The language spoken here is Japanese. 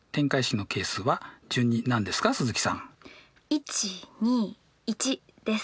１２１です。